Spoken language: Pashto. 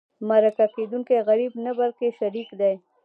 مرکه کېدونکی غریب نه بلکې شریك دی.